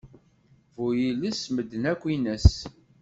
Bu yiles medden akk ines.